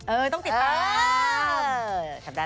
เอ่อต้องติดตาม